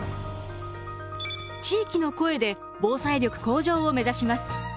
“地域の声”で防災力向上を目指します。